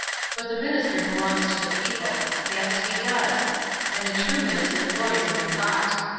But the minister belongs to the people. Yes, he does : and the true minister glories in the thought.